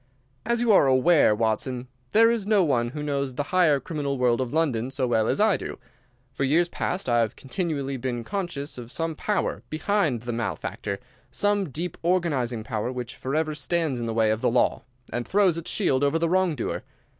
"As you are aware, Watson, there is no one who knows the higher criminal world of London so well as I do. For years past I have continually been conscious of some power behind the malefactor, some deep organizing power which forever stands in the way of the law, and throws its shield over the wrong doer.